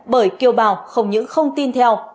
bởi kiều bảo không những không tin theo